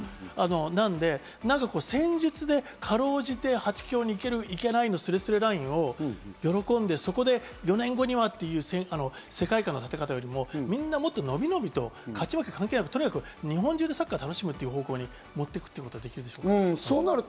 なので、戦術で辛うじて８強に行ける行けないのすれすれラインを喜んで、そこで４年後にはという世界観の立て方よりももっとのびのびと、勝ち負け関係なく、日本中でサッカーを楽しもうという方向に持っていくってことはできないかなと。